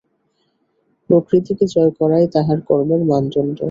প্রকৃতিকে জয় করাই তাঁহার কর্মের মানদণ্ড।